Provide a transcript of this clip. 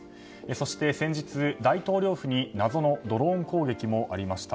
そして先日、大統領府に謎のドローン攻撃もありました。